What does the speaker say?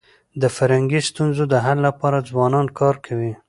د فرهنګي ستونزو د حل لپاره ځوانان کار کوي.